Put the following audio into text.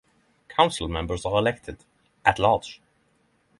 Council members are elected at-large.